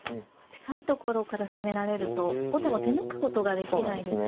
近いところから攻められると後手も手抜くことができないですよね。